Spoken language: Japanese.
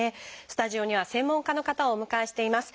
スタジオには専門家の方をお迎えしています。